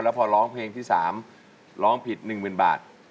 พอร้องเพลงที่๓ร้องผิด๑๐๐๐บาท